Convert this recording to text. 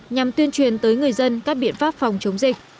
nhằm tuyên truyền tới người dân các biện pháp phòng chống dịch